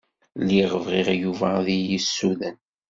Lliɣ bɣiɣ Yuba ad iyi-yessuden.